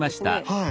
はい。